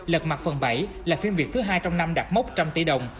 lật mặt phần bảy là phim việt thứ hai trong năm đạt mốc một trăm linh tỷ đồng